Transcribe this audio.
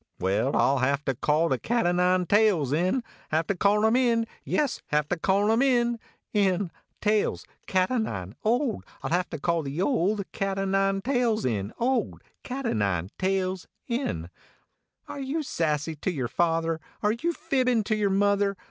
Well, I ll have to call the cat o nine tails in Have to call him in ; yes, have to call him in ; in. tails cat o nine old I ll have to call the old cat o nine tails in. old cat o nine tails Are you sassy to yer father, are you fibbin to yer mother